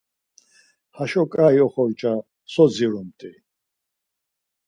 Haşo ǩai oxorca so dziromt̆i!